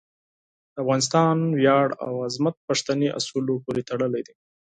د افغانستان ویاړ او عظمت پښتني اصولو پورې تړلی دی.